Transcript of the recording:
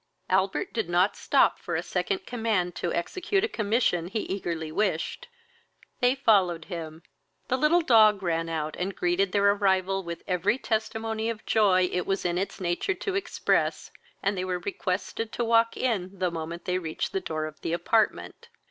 Albert did not stop for a second command to execute a commission he eagerly wished. They followed him; the little dog ran out, and greeted their arrival with every testimony of joy it was in its nature to express, and they were requested to walk in the moment they reached the door of the apartment.